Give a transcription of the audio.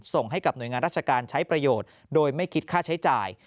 ส่งให้กับหน่วยงานราชการใช้ประโยชน์โดยไม่คิดค่าใช้จ่าย